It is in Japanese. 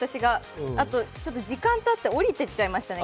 あと時間がたって下りてきちゃいましたね。